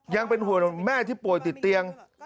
ยังเป็นห่วงแม่ที่ป่วยติดเตียง